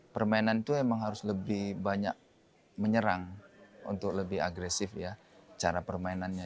permainan itu memang harus lebih banyak menyerang untuk lebih agresif ya cara permainannya